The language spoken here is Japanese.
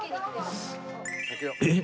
えっ！？